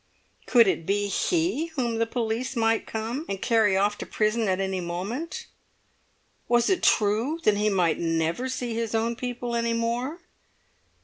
Could it be he whom the police might come and carry off to prison at any moment? Was it true that he might never see his own people any more?